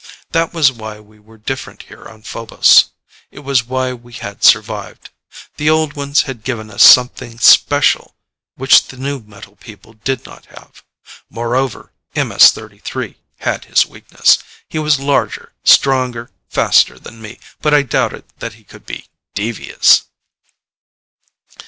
That was why we were different here on Phobos. It was why we had survived. The old ones had given us something special which the new metal people did not have. Moreover, MS 33 had his weakness. He was larger, stronger, faster than me, but I doubted that he could be devious.